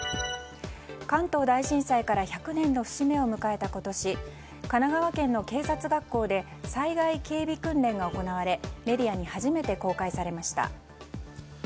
関東大震災から１００年の節目を迎えた今年神奈川県の警察学校で災害警備訓練が行われメディアに初めて公開されました。